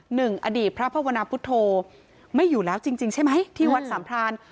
หนึ่งอดีตพระพะวนาพุทธโธไม่อยู่แล้วจริงใช่ไหมที่วัดสัมพลาณ